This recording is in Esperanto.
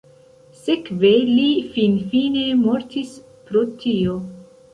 Sekve, li finfine mortis pro tio.